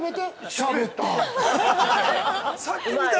◆しゃべった◆